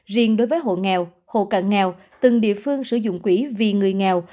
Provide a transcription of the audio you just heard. riêng đối với hộ nghèo hộ cận nghèo từng địa phương sử dụng quỹ vì người nghèo